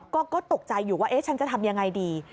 ก็ตกใจอยู่ว่าฉันจะทำยังไงดี